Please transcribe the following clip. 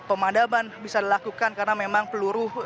jadi pemadaman bisa dilakukan karena memang peluru